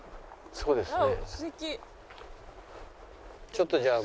そうですね。